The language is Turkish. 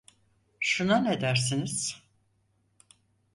Şuna ne dersiniz?